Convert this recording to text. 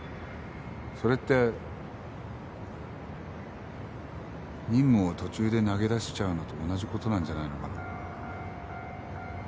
それって任務を途中で投げ出しちゃうのと同じ事なんじゃないのかな。